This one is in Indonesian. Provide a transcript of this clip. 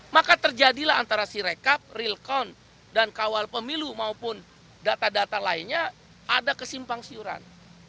maka terjadilah antara sirekap rilkon dan kawal pemilu maupun data data lainnya ada kesimpang siuran